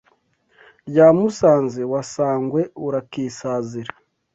Rya Musanze wa Sangwe urakisazira